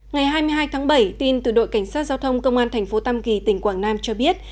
ngày hai mươi hai tháng bảy tin từ đội cảnh sát giao thông công an thành phố tam kỳ tỉnh quảng nam cho biết